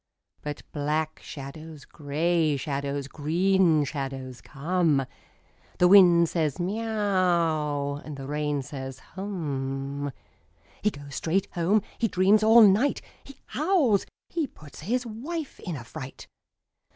But black shadows, grey shadows, green shadows come. The wind says, " Miau !" and the rain says, « Hum !" He goes straight home. He dreams all night. He howls. He puts his wife in a fright.